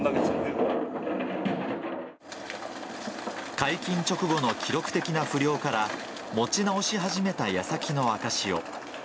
解禁直後の記録的な不漁から持ち直し始めたやさきの赤潮。